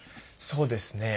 そうですね。